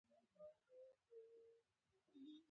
موږ ولې پۀ ځینو خبرو شرمېږو؟